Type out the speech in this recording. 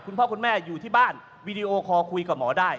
คุณพ่อคุณแม่อยู่ที่บ้านวีดีโอคอลคุยกับหมอได้